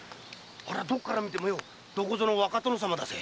どっから見てもどこぞの若殿様だぜ。